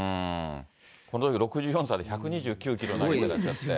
このとき６４歳で１２９キロ投げちゃって。